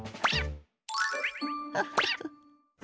フフフ。